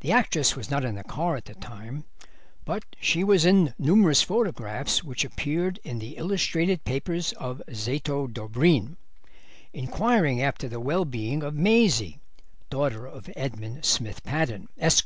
The actress was not in the car at the time, but she was in numerous photographs which appeared in the illustrated papers of Zoto Dobreen inquiring after the well being of Maisie, daughter of Edmund Smith Paddon, Esq.